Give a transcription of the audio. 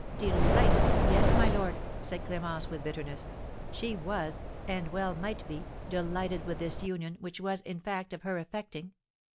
"Delighted? Yes, my lord," said Clémence, with bitterness. "She was, and well might be, delighted with this union, which was, in fact, of her effecting.